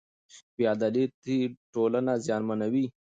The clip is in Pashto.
بې عدالتي ټولنه زیانمنوي.